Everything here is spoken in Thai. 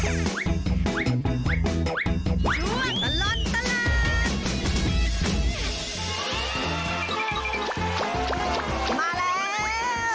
ช่วงตลอดตลาด